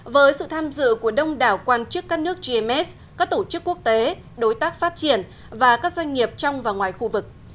với sự tham dự của đông đảo quan chức các nước gms các tổ chức quốc tế đối tác phát triển và các doanh nghiệp trong và ngoài khu vực